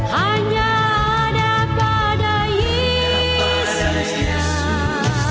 hanya ada pada yesus